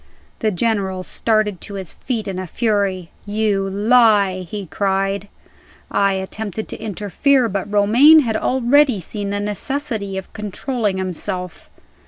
The General started to his feet in a fury. "You lie!" he cried. I attempted to interfere, but Romayne had already seen the necessity of controlling himself.